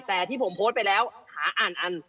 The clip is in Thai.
แต่ที่ผมโพสต์ไปแล้วหาอ่านอัน